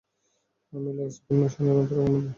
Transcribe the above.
আমি লাঈছ বিন মোশানের অন্তরঙ্গ বন্ধু।